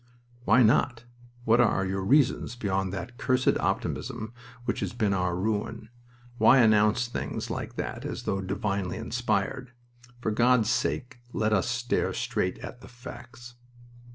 "Why not? What are your reasons beyond that cursed optimism which has been our ruin? Why announce things like that as though divinely inspired? For God's sake let us stare straight at the facts."